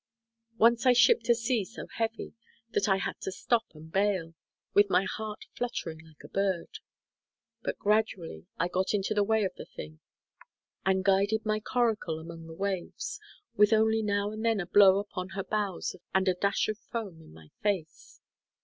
Once I shipped a sea so heavy that I had to stop and bale, with my heart fluttering like a bird; but gradually I got into the way of the thing, and guided my coracle among the waves, with only now and then a blow upon her bows and a dash of foam in my face.